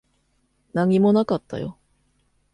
何もなかったよ。